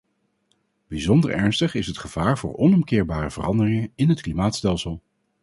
Bijzonder ernstig is het gevaar voor onomkeerbare veranderingen in het klimaatstelsel.